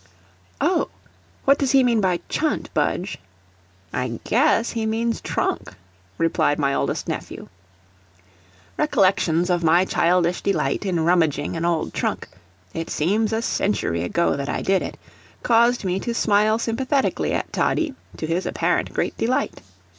] "Oh! What does he mean by chunt, Budge?" "I GUESS he means trunk," replied my oldest nephew. Recollections of my childish delight in rummaging an old trunk it seems a century ago that I did it caused me to smile sympathetically at Toddie, to his apparent great delight.